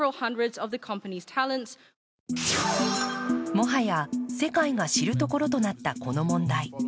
もはや、世界が知るところとなったこの問題。